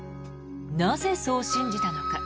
なぜ、そう信じたのか。